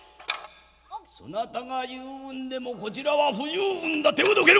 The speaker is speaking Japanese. そなたが十分でもこちらは不十分だ手をどけろ！」。